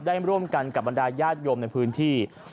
ได้ร่วมกันกับบรรดายญาติโยมในพื้นที่